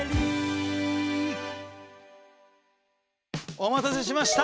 お待たせしました！